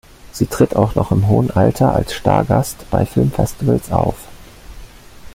Sie tritt auch noch im hohen Alter als Stargast bei Filmfestivals auf.